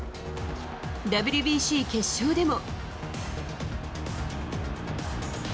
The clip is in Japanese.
ＷＢＣ決勝でも。